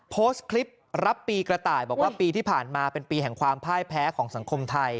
โพสต์คลิปรับปีกระต่ายบอกว่าปีที่ผ่านมาเป็นปีแห่งความพ่ายแพ้ของสังคมไทย